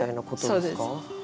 そうです。